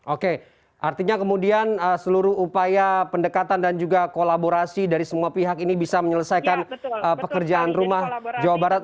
oke artinya kemudian seluruh upaya pendekatan dan juga kolaborasi dari semua pihak ini bisa menyelesaikan pekerjaan rumah jawa barat